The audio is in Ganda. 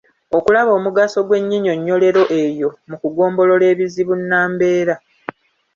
Okulaba omugaso gw’ennyinyonnyloero eyo mu kugombolola ebizibu nnambeera.